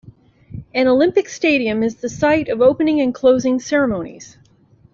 An Olympic stadium is the site of the opening and closing ceremonies.